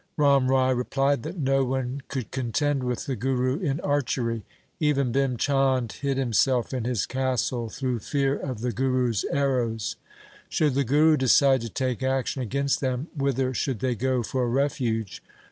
Ram Rai replied that no one could contend with the Guru in archery. Even Bhim Chand hid himself in his castle through fear of the Guru's arrows. Should the Guru decide to take action against them, whither should they go for refuge?